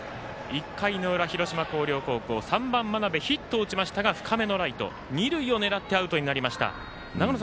１回の裏、広島・広陵高校３番、真鍋ヒットを打ちましたが二塁を狙ってアウトになりました。